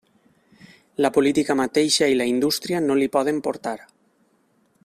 La política mateixa i la indústria no l'hi poden portar.